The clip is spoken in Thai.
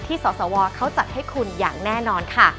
สสวเขาจัดให้คุณอย่างแน่นอนค่ะ